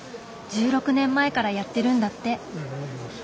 １６年前からやってるんだって。